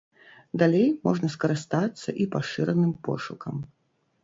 Далей можна скарыстацца і пашыраным пошукам.